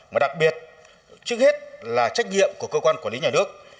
mà đặc biệt trước hết là trách nhiệm của cơ quan quản lý nhà nước